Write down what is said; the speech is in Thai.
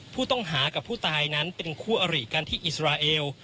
ผู้ต้องหากับผู้ตายนั้นเป็นคู่อริกันที่อิสราเอล